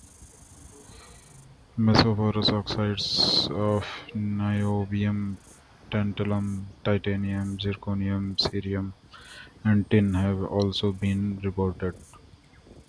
Mesoporous oxides of niobium, tantalum, titanium, zirconium, cerium and tin have also been reported.